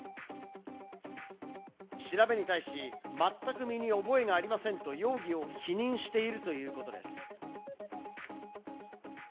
調べに対し、まったく身に覚えがありませんと容疑を否認しているということです。